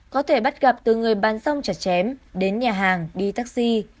có thể bắt gặp từ người bán xong chặt chém đến nhà hàng đi taxi